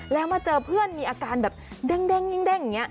แล้วมาเจอเพื่อนมีอาการแบบเด้งอย่างนี้